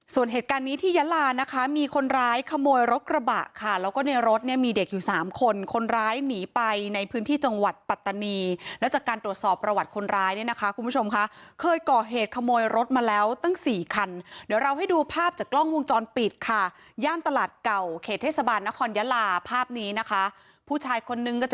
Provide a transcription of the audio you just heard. ส่วนเหตุการณ์นี้ที่ยะลานะคะมีคนร้ายขโมยรถกระบะค่ะแล้วก็ในรถเนี่ยมีเด็กอยู่สามคนคนร้ายหนีไปในพื้นที่จังหวัดปัตตานีแล้วจากการตรวจสอบประวัติคนร้ายเนี่ยนะคะคุณผู้ชมค่ะเคยก่อเหตุขโมยรถมาแล้วตั้งสี่คันเดี๋ยวเราให้ดูภาพจากกล้องวงจรปิดค่ะย่านตลาดเก่าเขตเทศบาลนครยาลาภาพนี้นะคะผู้ชายคนนึงก็จะ